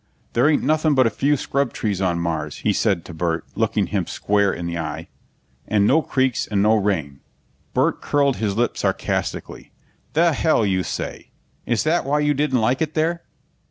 "There ain't nothing but a few scrub trees on Mars," he said to Burt, looking him square in the eye. "And no creeks and no rain." Burt curled his lip sarcastically. "The hell you say! Is that why you didn't like it there?"